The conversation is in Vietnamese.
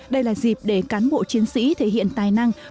đây là dịp để cán bộ chiến sĩ thể hiện tài năng